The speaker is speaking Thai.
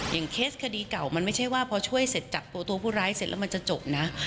เคสคดีเก่ามันไม่ใช่ว่าพอช่วยเสร็จจับตัวตัวผู้ร้ายเสร็จแล้วมันจะจบนะ